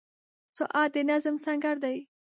• ساعت د نظم سنګر دی.